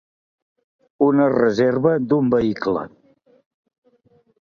Una reserva d'un vehicle.